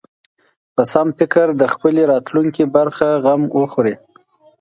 په سم فکر د خپلې راتلونکې برخه غم وخوري.